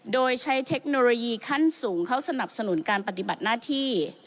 โดยใช้เทคโนโลยีขั้นสูงเข้าสนับสนุนการปฏิบัติหน้าที่